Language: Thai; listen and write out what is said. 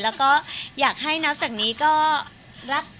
แล้วก็อยากให้นับจากนี้ก็รัก